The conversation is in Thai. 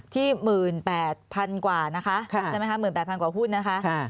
๑๘๐๐๐กว่านะคะใช่ไหมคะ๑๘๐๐กว่าหุ้นนะคะ